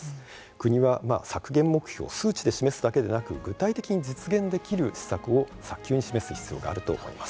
国は削減目標を数値で示すだけでなく具体的に実現できる施策を早急に示す必要があると思います。